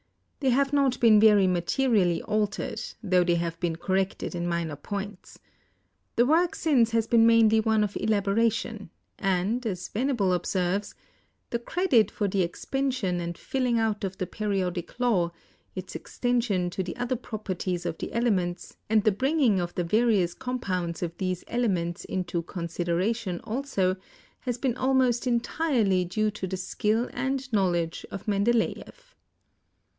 They have not been very materially altered, tho they have been corrected in minor points. The work since has been mainly one of elaboration, and, as Venable ob serves, "The credit for the expansion and filling out of the Periodic Law, its extension to the other properties of of the elements and the bringing of the various com pounds of these elements into consideration also, has been almost entirely due to the skill and knowledge of Men deleeff."